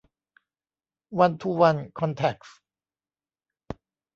วันทูวัน คอนแทคส์